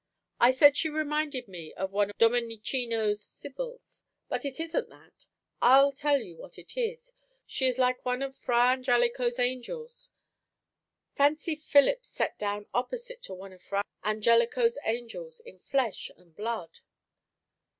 I said she reminded me of one of Domenichino's sybils but it isn't that. I'll tell you what it is. She is like one of Fra Angelico's angels. Fancy Philip set down opposite to one of Fra Angelico's angels in flesh and blood!"